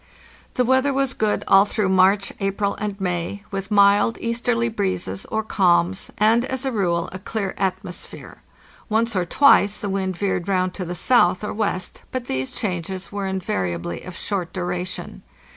The weather was good all through March, April, and May, with mild easterly breezes or calms, and, as a rule, a clear atmos phere. Once or twice the wind veered round to the south or west, but these changes were invariably of short duration.